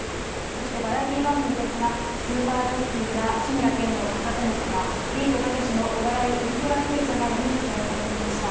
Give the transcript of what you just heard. そしてバラエティー番組ですが、スーパージョッキーや志村けんのバカ殿様、ビートたけしのお笑いウルトラクイズなどに出演されていました。